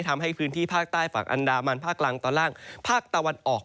ทำให้พื้นที่ภาคใต้ฝั่งอันดามันภาคกลางตอนล่างภาคตะวันออก